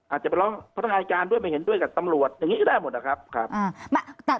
อาจจะไปลองพัฒนาอาจารย์ด้วยมาเห็นด้วยกับตำรวจอย่างนี้ได้หมดนะครับ